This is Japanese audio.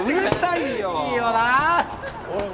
いいよなあ！